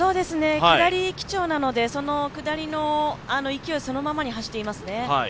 下り基調なので、下りの勢いそのままに走っていますね。